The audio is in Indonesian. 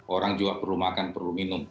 orang juga perlu makan perlu minum